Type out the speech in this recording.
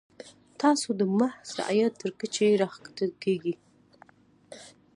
تاسو د محض رعیت تر کچې راښکته کیږئ.